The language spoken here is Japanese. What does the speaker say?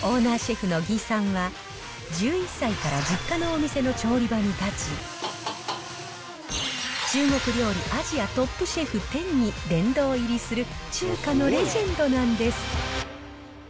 オーナーシェフの魏さんは、１１歳から実家のお店の調理場に立ち、中国料理アジアトップシェフ１０に殿堂入りする、中華のレジェンドなんです。